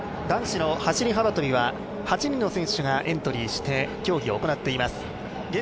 男子の走り高跳びは８人の選手がエントリーして競技を行っています。